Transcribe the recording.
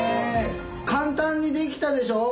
簡単にできたでしょう？